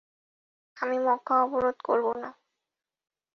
আমি মক্কা অবরোধ করব না।